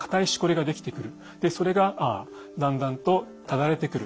それがだんだんとただれてくる。